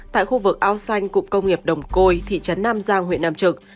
tại khu vực ao xanh cụm công nghiệp đồng côi thị trấn nam giang huyện nam trực